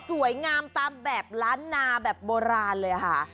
ตามแบบล้านนาแบบโบราณเลยค่ะ